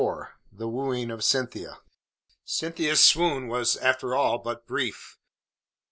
THE WOOING OF CYNTHIA Cynthia's swoon was after all but brief.